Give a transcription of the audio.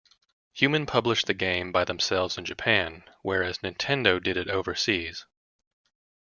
Human published the game by themselves in Japan whereas Nintendo did it overseas.